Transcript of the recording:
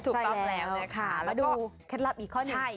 ถูกต้องแล้วแล้วดูแค้นลาบอีกข้อนึง